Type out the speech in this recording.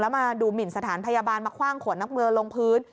มาดูหมินสถานพยาบาลมาคว่างขวดนักเรือลงพื้น